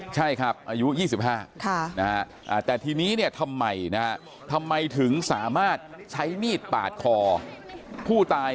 ใช่ครับอายุ๒๕แต่ทีนี้ทำไมถึงสามารถใช้มีดปาดคอผู้ตาย